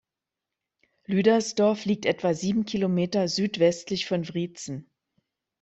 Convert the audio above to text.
Lüdersdorf liegt etwa sieben Kilometer südwestlich von Wriezen.